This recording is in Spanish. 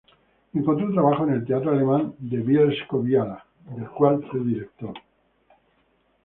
Encontró trabajo en el teatro alemán de Bielsko-Biała, del cual fue director.